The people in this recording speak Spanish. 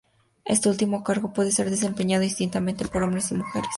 Este último cargo puede ser desempeñado indistintamente por hombres y mujeres.